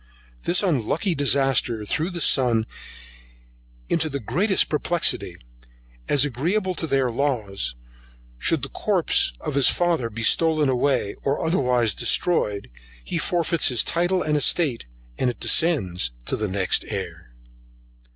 This unlucky disaster threw the son into the greatest perplexity, as agreeable to their laws, should the corpse of his father be stolen away, or otherwise destroyed, he forfeits his title and estate, and it descends to the next heir.